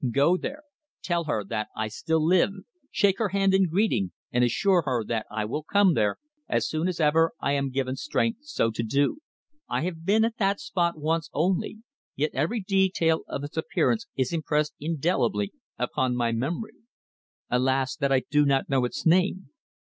Go there tell her that I still live, shake her hand in greeting and assure her that I will come there as soon as ever I am given strength so to do. "I have been at that spot once only, yet every detail of its appearance is impressed indelibly upon my memory. Alas! that I do not know its name.